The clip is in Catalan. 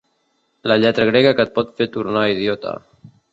La lletra grega que et pot fer tornar idiota.